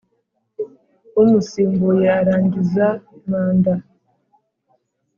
Umusimbuye arangiza manda